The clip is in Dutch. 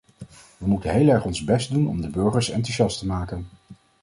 We moeten heel erg ons best doen om de burgers enthousiast te maken.